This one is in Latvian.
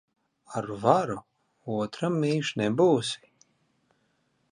Ar varu otram mīļš nebūsi.